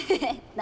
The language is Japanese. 何？